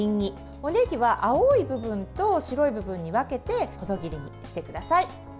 おねぎは青い部分と白い部分に分けて細切りにしてください。